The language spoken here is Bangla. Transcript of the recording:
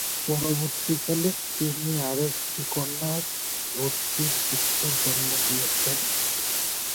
পরবর্তীকালে তিনি আরও একটি কন্যা ও তিন পুত্রের জন্ম দিয়েছেন।